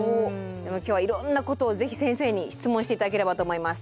今日はいろんなことを是非先生に質問していただければと思います。